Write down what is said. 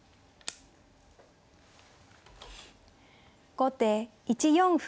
後手１四歩。